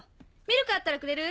ミルクあったらくれる？